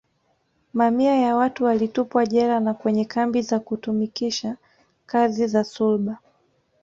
Mamia ya watu walitupwa jela na kwenye kambi za kutumikisha kazi za sulba